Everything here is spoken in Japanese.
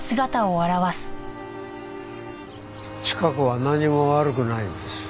チカ子は何も悪くないんです。